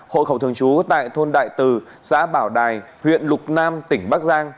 hộ khẩu thường trú tại thôn đại từ xã bảo đài huyện lục nam tỉnh bắc giang